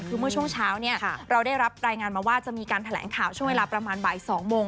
คือเมื่อช่วงเช้าเนี่ยเราได้รับรายงานมาว่าจะมีการแถลงข่าวช่วงเวลาประมาณบ่าย๒โมง